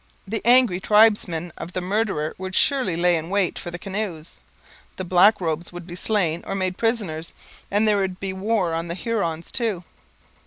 The angry tribesmen of the murderer would surely lay in wait for the canoes, the black robes would be slain or made prisoners, and there would be war on the Hurons too.